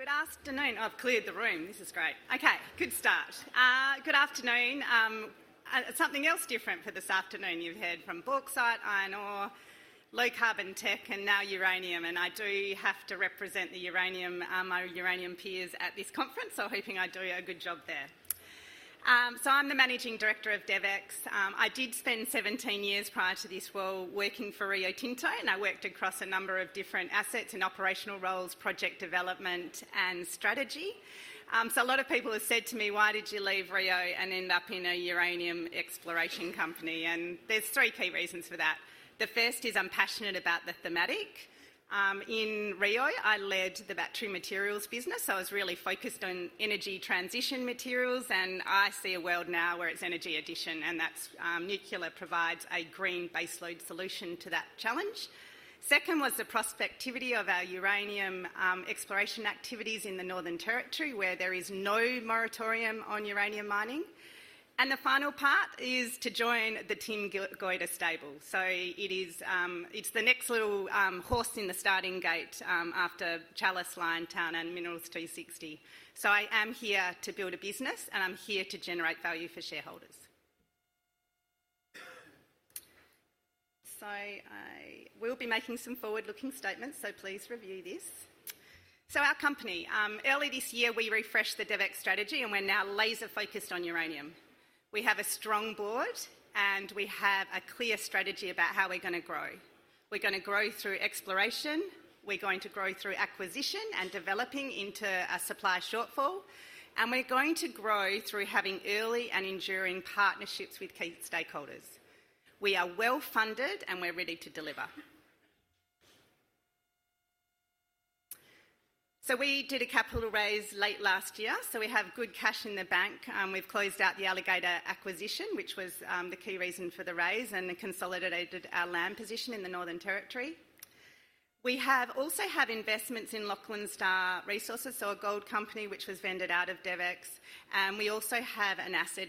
Good afternoon. I've cleared the room. This is great. Okay, good start. Good afternoon. Something else different for this afternoon. You've heard from bauxite, iron ore, low-carbon tech, and now uranium. I do have to represent my uranium peers at this conference, so hoping I do a good job there. I'm the managing director of DevEx. I did spend 17 years prior to this role working for Rio Tinto, and I worked across a number of different assets and operational roles, project development and strategy. A lot of people have said to me, "Why did you leave Rio and end up in a uranium exploration company?" There's three key reasons for that. The first is I'm passionate about the thematic. In Rio, I led the battery materials business. I was really focused on energy transition materials, and I see a world now where it's energy addition, and that's nuclear provides a green baseload solution to that challenge. Second was the prospectivity of our uranium exploration activities in the Northern Territory, where there is no moratorium on uranium mining. The final part is to join the Team Goyder stable. It's the next little horse in the starting gate after Chalice, Liontown, and Minerals 260. I am here to build a business, and I'm here to generate value for shareholders. I will be making some forward-looking statements, so please review this. Our company. Early this year, we refreshed the DevEx strategy, and we're now laser-focused on uranium. We have a strong board, and we have a clear strategy about how we're going to grow. We're going to grow through exploration, we're going to grow through acquisition and developing into a supply shortfall, and we're going to grow through having early and enduring partnerships with key stakeholders. We are well-funded, and we're ready to deliver. We did a capital raise late last year, so we have good cash in the bank. We've closed out the Alligator acquisition, which was the key reason for the raise, and it consolidated our land position in the Northern Territory. We also have investments in Lachlan Star Resources, so a gold company which was vended out of DevEx. We also have an asset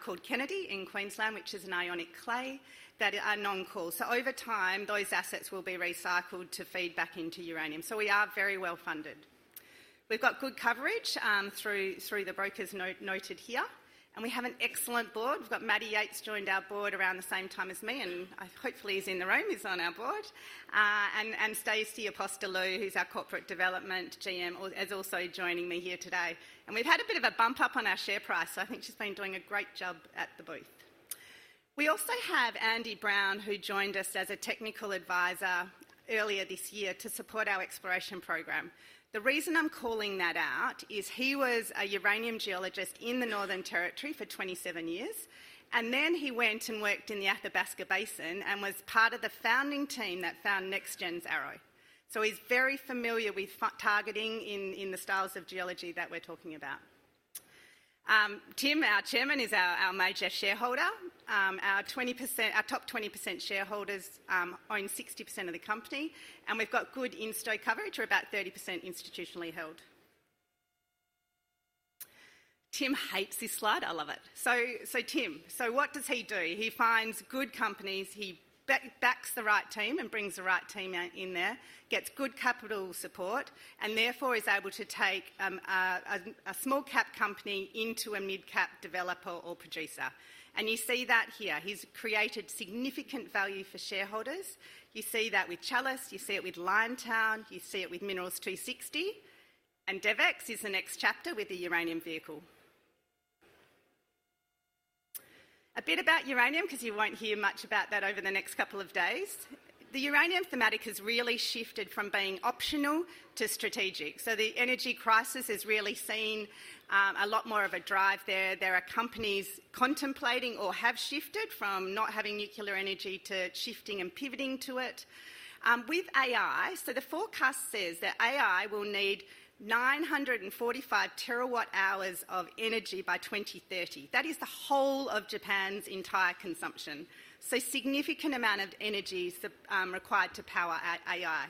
called Kennedy in Queensland, which is an ionic clay, that is non-core. Over time, those assets will be recycled to feed back into uranium. We are very well-funded. We've got good coverage through the brokers noted here, and we have an excellent board. We've got Mattie Yates joined our board around the same time as me, and hopefully he's in the room. He's on our board. Stacey Apostolou, who's our corporate development GM, is also joining me here today. We've had a bit of a bump up on our share price, so I think she's been doing a great job at the booth. We also have Andy Brown, who joined us as a technical advisor earlier this year to support our exploration program. The reason I'm calling that out is he was a uranium geologist in the Northern Territory for 27 years, and then he went and worked in the Athabasca Basin and was part of the founding team that found NexGen's Arrow. He's very familiar with targeting in the styles of geology that we're talking about. Tim, our chairman, is our major shareholder. Our top 20% shareholders own 60% of the company, and we've got good insto coverage. We're about 30% institutionally held. Tim hates this slide. I love it. Tim, what does he do? He finds good companies. He backs the right team and brings the right team in there, gets good capital support, and therefore is able to take a small cap company into a midcap developer or producer. You see that here. He's created significant value for shareholders. You see that with Chalice, you see it with Liontown, you see it with Minerals 260, and DevEx is the next chapter with the uranium vehicle. A bit about uranium, because you won't hear much about that over the next couple of days. The uranium thematic has really shifted from being optional to strategic. The energy crisis has really seen a lot more of a drive there. There are companies contemplating or have shifted from not having nuclear energy to shifting and pivoting to it. With AI, the forecast says that AI will need 945 terawatt-hours of energy by 2030. That is the whole of Japan's entire consumption. Significant amount of energy is required to power AI.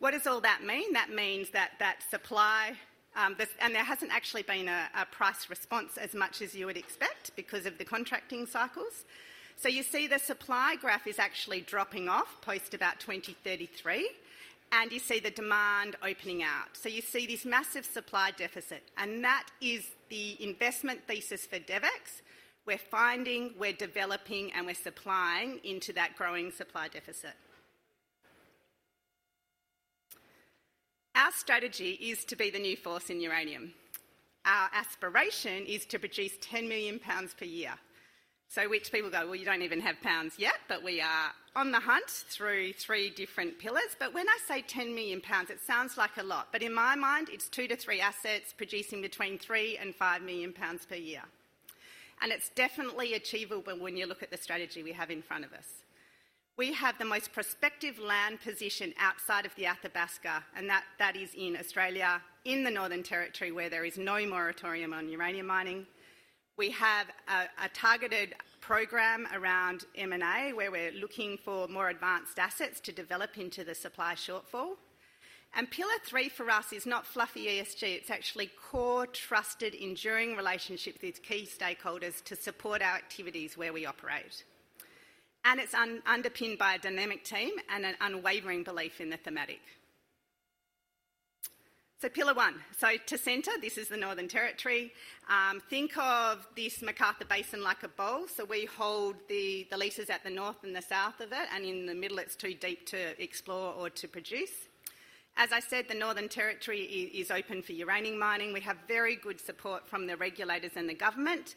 What does all that mean? That means that that supply. There hasn't actually been a price response as much as you would expect because of the contracting cycles. You see the supply graph is actually dropping off post about 2033, and you see the demand opening out. You see this massive supply deficit, and that is the investment thesis for DevEx. We're finding, we're developing, and we're supplying into that growing supply deficit. Our strategy is to be the new force in uranium. Our aspiration is to produce 10 million pounds per year. Which people go, "Well, you don't even have pounds yet." But we are on the hunt through three different pillars. When I say 10 million pounds, it sounds like a lot, but in my mind, it's two to three assets producing between three and five million pounds per year. It's definitely achievable when you look at the strategy we have in front of us. We have the most prospective land position outside of the Athabasca, and that is in Australia, in the Northern Territory, where there is no moratorium on uranium mining. We have a targeted program around M&A, where we're looking for more advanced assets to develop into the supply shortfall. Pillar three for us is not fluffy ESG. It's actually core, trusted, enduring relationships with key stakeholders to support our activities where we operate. It's underpinned by a dynamic team and an unwavering belief in the thematic. Pillar one. To center, this is the Northern Territory. Think of this McArthur Basin like a bowl. We hold the leases at the north and the south of it, and in the middle, it's too deep to explore or to produce. As I said, the Northern Territory is open for uranium mining. We have very good support from the regulators and the government,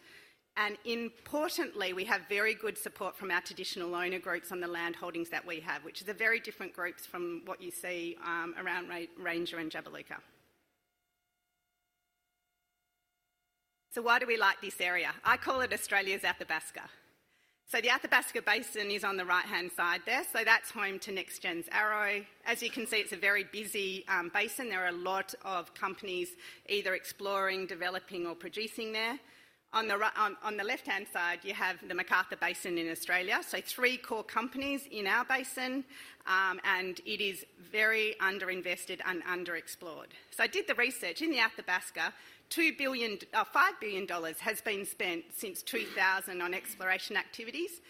and importantly, we have very good support from our traditional owner groups on the land holdings that we have, which are the very different groups from what you see around Ranger and Jabiluka. Why do we like this area? I call it Australia's Athabasca. The Athabasca Basin is on the right-hand side there. That's home to NexGen's Arrow. As you can see, it's a very busy basin. There are a lot of companies either exploring, developing, or producing there. On the left-hand side, you have the McArthur Basin in Australia. Three core companies in our basin, and it is very under-invested and underexplored. I did the research. In the Athabasca, 5 billion dollars has been spent since 2000 on exploration activities.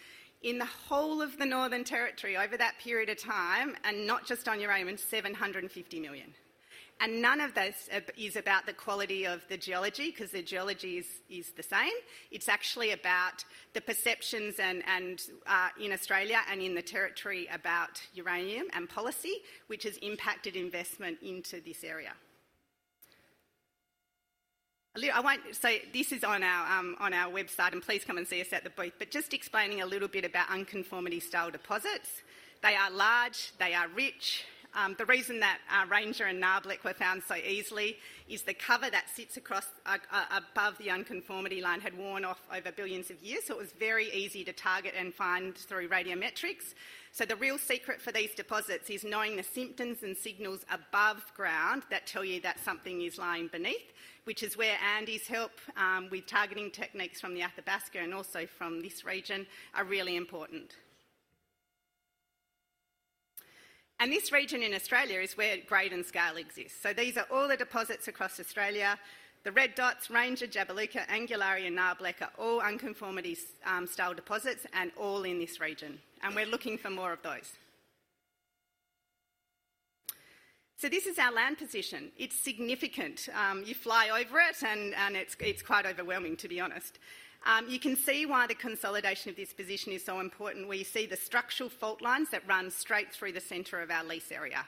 In the whole of the Northern Territory over that period of time, and not just on uranium, it's 750 million. None of this is about the quality of the geology, because the geology is the same. It's actually about the perceptions in Australia and in the territory about uranium and policy, which has impacted investment into this area. This is on our website. Please come and see us at the booth, just explaining a little bit about unconformity-style deposits. They are large. They are rich. The reason that Ranger and Nabarlek were found so easily is the cover that sits above the unconformity line had worn off over billions of years. It was very easy to target and find through radiometrics. The real secret for these deposits is knowing the symptoms and signals above ground that tell you that something is lying beneath, which is where Andy's help with targeting techniques from the Athabasca and also from this region are really important. This region in Australia is where grade and scale exists. These are all the deposits across Australia. The red dots, Ranger, Jabiluka, Angularli and Nabarlek are all unconformity-style deposits and all in this region. We're looking for more of those. This is our land position. It's significant. You fly over it and it's quite overwhelming, to be honest. You can see why the consolidation of this position is so important, where you see the structural fault lines that run straight through the center of our lease area.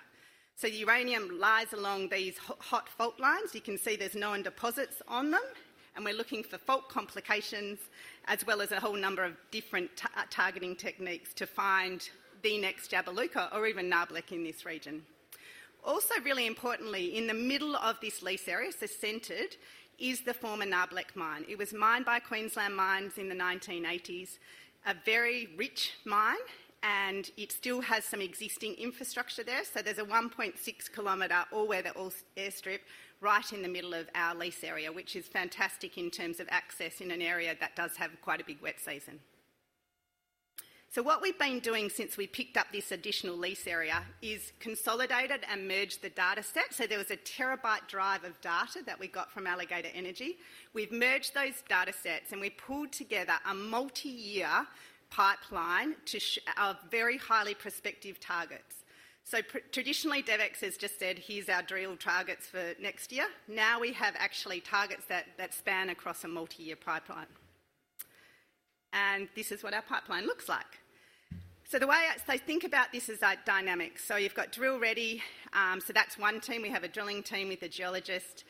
Uranium lies along these hot fault lines. You can see there's known deposits on them. We're looking for fault complications, as well as a whole number of different targeting techniques to find the next Jabiluka or even Nabarlek in this region. Also, really importantly, in the middle of this lease area, centered, is the former Nabarlek mine. It was mined by Queensland Mines in the 1980s. A very rich mine. It still has some existing infrastructure there. There's a 1.6 km all-weather airstrip right in the middle of our lease area, which is fantastic in terms of access in an area that does have quite a big wet season. What we've been doing since we picked up this additional lease area is consolidated and merged the data set. There was a terabyte drive of data that we got from Alligator Energy. We've merged those data sets. We pulled together a multi-year pipeline of very highly prospective targets. Traditionally, DevEx has just said, "Here's our drill targets for next year." Now we have actually targets that span across a multi-year pipeline. This is what our pipeline looks like. The way I think about this is dynamics. You've got drill ready. That's one team. We have a drilling team with a geologist.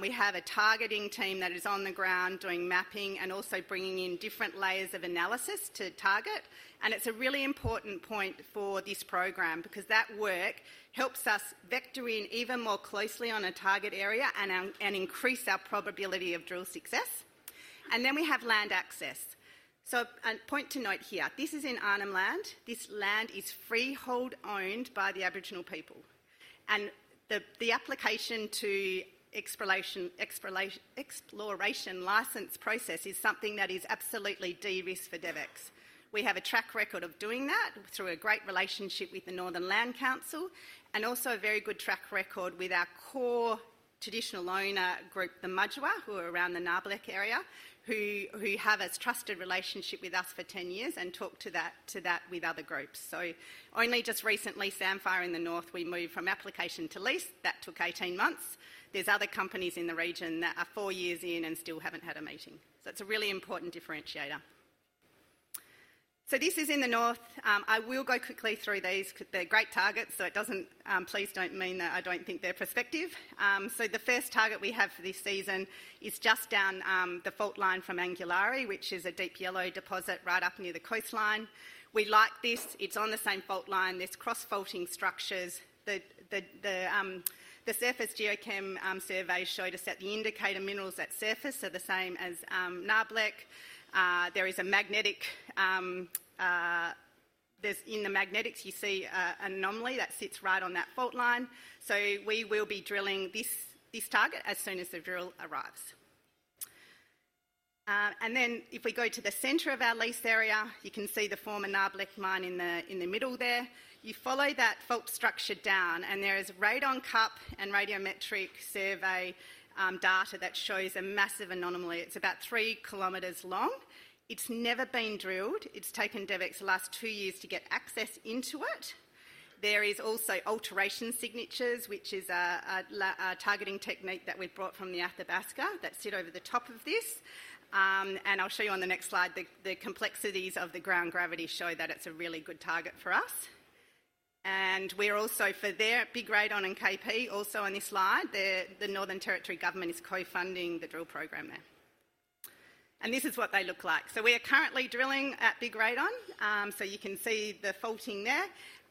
We have a targeting team that is on the ground doing mapping and also bringing in different layers of analysis to target. It's a really important point for this program because that work helps us vector in even more closely on a target area and increase our probability of drill success. We have land access. A point to note here, this is in Arnhem Land. This land is freehold-owned by the Aboriginal people. The application to exploration license process is something that is absolutely de-risk for DevEx. We have a track record of doing that through a great relationship with the Northern Land Council and also a very good track record with our core traditional owner group, the Madja-warr, who are around the Nabarlek area, who have a trusted relationship with us for 10 years and talk to that with other groups. Only just recently, Sandfire in the north, we moved from application to lease. That took 18 months. There's other companies in the region that are four years in and still haven't had a meeting. It's a really important differentiator. This is in the north. I will go quickly through these because they're great targets, please don't mean that I don't think they're prospective. The first target we have for this season is just down the fault line from Angularli, which is a Deep Yellow deposit right up near the coastline. We like this. It's on the same fault line. There's cross-faulting structures. The surface geochem surveys showed us that the indicator minerals at surface are the same as Nabarlek. In the magnetics, you see an anomaly that sits right on that fault line. We will be drilling this target as soon as the drill arrives. If we go to the center of our lease area, you can see the former Nabarlek mine in the middle there. You follow that fault structure down, and there is radon cup and radiometric survey data that shows a massive anomaly. It's about 3 km long. It's never been drilled. It's taken DevEx the last two years to get access into it. There is also alteration signatures, which is a targeting technique that we've brought from the Athabasca that sit over the top of this. I'll show you on the next slide, the complexities of the ground gravity show that it's a really good target for us. We're also for there, Big Radon and KP also on this slide, the Northern Territory Government is co-funding the drill program there. This is what they look like. We are currently drilling at Big Radon. You can see the faulting there.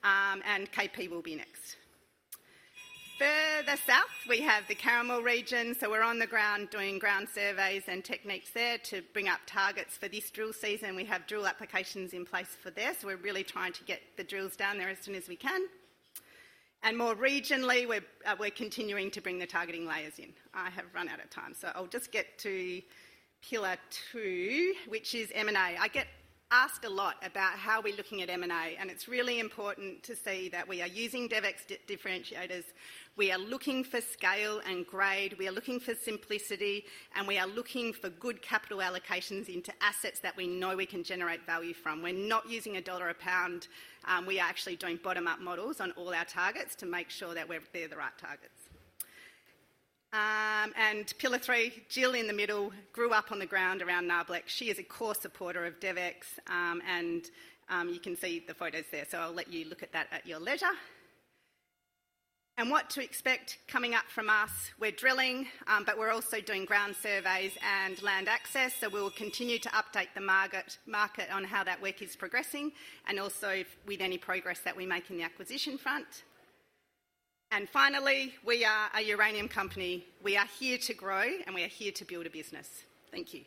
KP will be next. Further south, we have the Caramal region, we're on the ground doing ground surveys and techniques there to bring up targets for this drill season. We have drill applications in place for there, we're really trying to get the drills down there as soon as we can. More regionally, we're continuing to bring the targeting layers in. I have run out of time, I'll just get to pillar two, which is M&A. I get asked a lot about how we're looking at M&A, and it's really important to see that we are using DevEx differentiators. We are looking for scale and grade, we are looking for simplicity, and we are looking for good capital allocations into assets that we know we can generate value from. We're not using AUD 1 a pound. We are actually doing bottom-up models on all our targets to make sure that they're the right target. Pillar 3, Jill in the middle grew up on the ground around Nabarlek. She is a core supporter of DevEx. You can see the photos there. I'll let you look at that at your leisure. What to expect coming up from us, we're drilling, but we're also doing ground surveys and land access. We'll continue to update the market on how that work is progressing and also with any progress that we make in the acquisition front. Finally, we are a uranium company. We are here to grow, and we are here to build a business. Thank you.